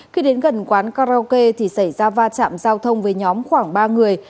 khi đến gần quán karaoke thì xảy ra va chạm giao thông với nhóm khoảng ba người